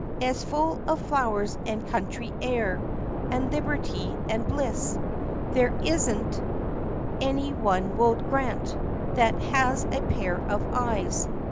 As full of flowers and country air And liberty and bliss? There is n't, any one will grant. That has a pair of eyes.